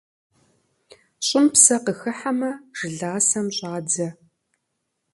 ЩӀым псэ къыхыхьэмэ, жыласэм щӀадзэ.